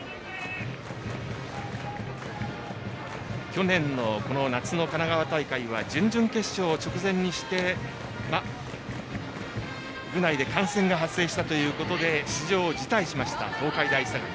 去年の夏の神奈川大会は準々決勝直前にして、部内で感染が発生したということで出場を辞退しました東海大相模。